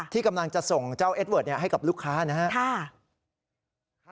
ที่กำลังจะส่งเจ้าเอสเวิร์ดให้กับลูกค้านะครับ